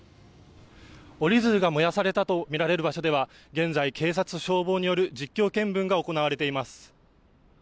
折り鶴が燃やされたとみられる場所では現在、警察と消防による実況見分が行われています。